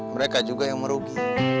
mereka juga yang merugi